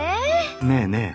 ねえねえ。